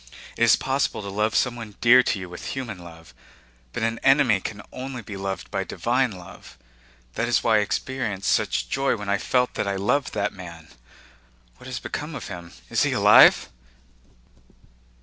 It is possible to love someone dear to you with human love, but an enemy can only be loved by divine love. That is why I experienced such joy when I felt that I loved that man. What has become of him? Is he alive?...